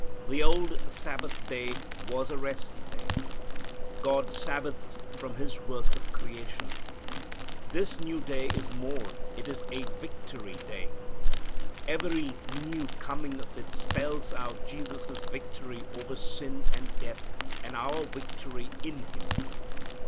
The old Sabbath day was a rest day. God Sabbathed from His work of creation. This new day is more, it is a victory day. Every new coming of it spells out Jesus' victory over sin and death and our victory in Him.